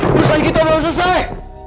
perusahaan kita baru selesai